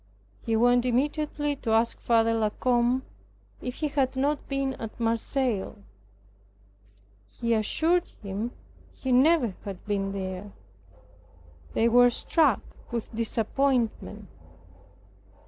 He went immediately to ask Father La Combe if he had not been at Marseilles. He assured him he never had been there. They were struck with disappointment.